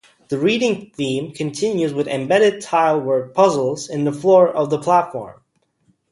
The reading theme continues with embedded-tile word puzzles in the floor of the platform.